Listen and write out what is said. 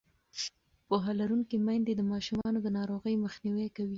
پوهه لرونکې میندې د ماشومانو د ناروغۍ مخنیوی کوي.